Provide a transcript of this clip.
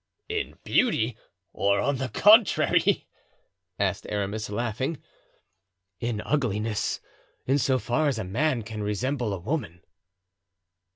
"In beauty or on the contrary?" asked Aramis, laughing. "In ugliness, in so far as a man can resemble a woman."